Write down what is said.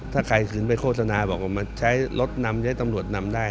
ถ้าใครคืนไปโฆษณาบอกว่ามาใช้รถนำใช้ตำรวจนำได้